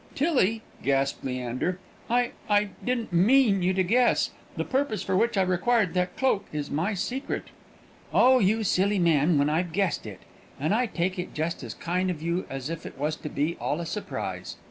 "Tillie," gasped Leander, "I I didn't mean you to guess; the purpose for which I require that cloak is my secret." "Oh, you silly man, when I've guessed it! And I take it just as kind of you as if it was to be all a surprise.